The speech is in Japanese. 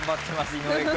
井上君。